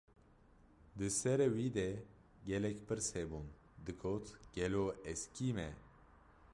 Di serê wî de gelek pirs hebûn, digot: Gelo, ez kî me?